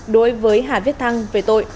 đối với hà viết thăng về tội